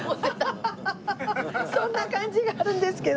そんな感じがあるんですけど